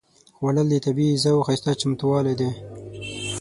خوړل د طبیعي غذاوو ښايسته چمتووالی دی